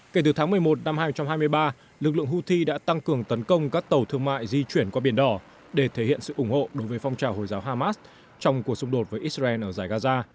kể từ tháng một mươi một năm hai nghìn hai mươi ba lực lượng houthi đã tăng cường tấn công các tàu thương mại di chuyển qua biển đỏ để thể hiện sự ủng hộ đối với phong trào hồi giáo hamas trong cuộc xung đột với israel ở giải gaza